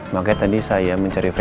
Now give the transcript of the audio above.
makanya tadi saya mencari favori